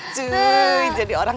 cuy jadi orang